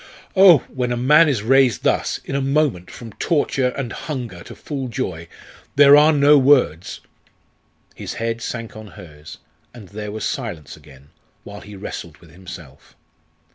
"Oh! when a man is raised thus in a moment from torture and hunger to full joy, there are no words " His head sank on hers, and there was silence again, while he wrestled with himself.